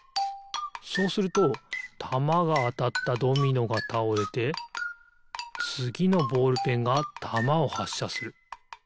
そうするとたまがあたったドミノがたおれてつぎのボールペンがたまをはっしゃする。